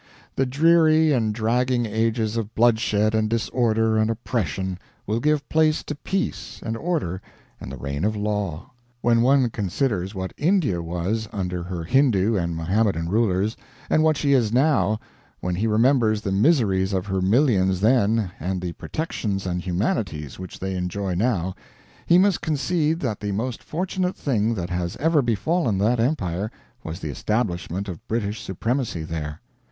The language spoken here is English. The dreary and dragging ages of bloodshed and disorder and oppression will give place to peace and order and the reign of law. When one considers what India was under her Hindoo and Mohammedan rulers, and what she is now; when he remembers the miseries of her millions then and the protections and humanities which they enjoy now, he must concede that the most fortunate thing that has ever befallen that empire was the establishment of British supremacy there.